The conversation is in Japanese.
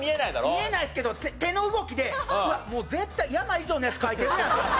見えないですけど手の動きでうわっもう絶対「山」以上のやつ書いてるやんって思って。